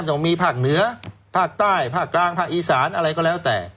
ต้องมีภาคเหนือภาคใต้ภาคกลางภาคอีสานอะไรก็แล้วแต่